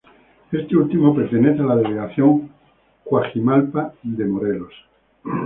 Este último pertenece a la delegación Cuajimalpa de Morelos.